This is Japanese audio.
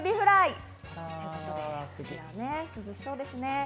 涼しそうですね。